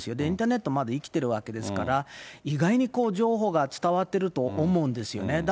インターネットまだ生きてるわけですから、意外に情報が伝わってると思うんですよね。